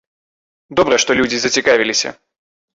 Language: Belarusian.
Добра, што людзі зацікавіліся.